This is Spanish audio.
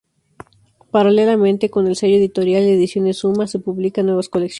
Paralelamente con el sello editorial Ediciones Summa se publican nuevas colecciones.